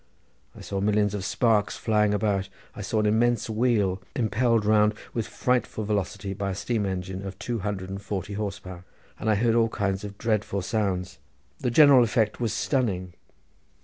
I saw millions of sparks flying about. I saw an immense wheel impelled round with frightful velocity by a steam engine of two hundred and forty horse power. I heard all kinds of dreadful sounds. The general effect was stunning.